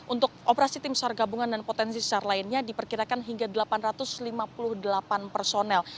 untuk operasi tim sar gabungan dan potensi sar lainnya diperkirakan hingga delapan ratus lima puluh delapan personel